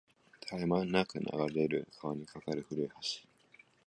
絶え間なく流れる川に架かる古い橋